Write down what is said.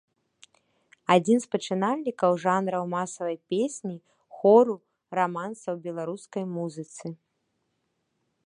Адзін з пачынальнікаў жанраў масавай песні, хору, раманса ў беларускай музыцы.